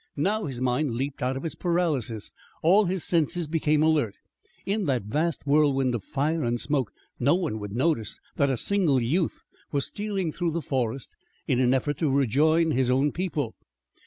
Now his mind leaped out of its paralysis. All his senses became alert. In that vast whirlwind of fire and smoke no one would notice that a single youth was stealing through the forest in an effort to rejoin his own people.